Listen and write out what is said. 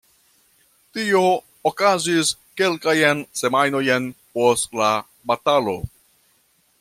Tio okazis kelkajn semajnojn post la batalo.